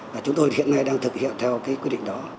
và chúng tôi hiện nay đang thực hiện theo quy định đó